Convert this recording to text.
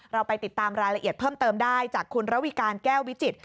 เราไปติดตามรายละเอียดเพิ่มเติมได้จากคุณระวิการแก้ววิจิตร